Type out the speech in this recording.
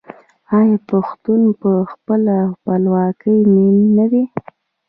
آیا پښتون په خپله خپلواکۍ مین نه دی؟